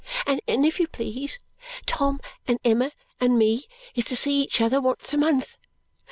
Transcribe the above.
And if you please, Tom and Emma and me is to see each other once a month.